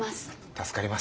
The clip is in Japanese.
助かります。